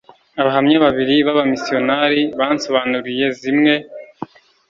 Abahamya babiri b abamisiyonari bansobanuriye zimwe